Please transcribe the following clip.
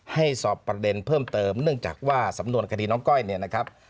สอบประเด็นเพิ่มเติมเนื่องจากว่าสำนวนคดีน้องก้อยเนี่ยนะครับ